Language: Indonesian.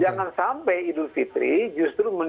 jangan sampai hidup fitri justru menimbulkan